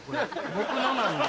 僕のなんで。